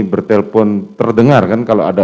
bertelpon terdengar kan kalau ada